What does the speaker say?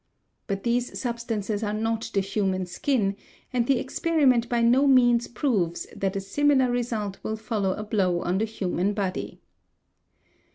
But these substances are not the human skin, and the experiment by no means proves that a similar. result will follow a blow on the human body.